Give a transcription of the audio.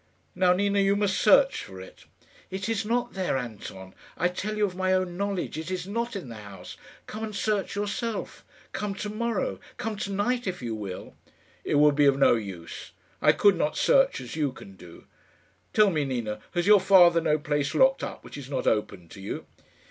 Now, Nina, you must search for it." "It is not there, Anton. I tell you of my own knowledge, it is not in the house. Come and search yourself. Come to morrow. Come to night, if you will." "It would be of no use. I could not search as you can do. Tell me, Nina; has your father no place locked up which is not open to you?"